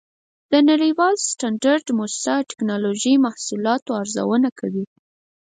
د نړیوال سټنډرډ مؤسسه د ټېکنالوجۍ محصولاتو ارزونه کوي.